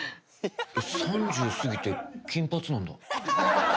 ３０過ぎて金髪なんだ？